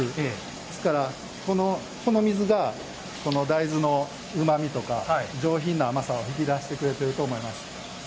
ですから、この水がこの大豆のうまみとか上品な甘さを引き出してくれていると思います。